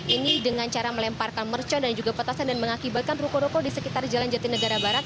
ini dengan cara melemparkan mercon dan juga petasan dan mengakibatkan ruko ruko di sekitar jalan jatinegara barat